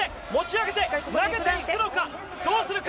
持ち上げて、投げに行くのか。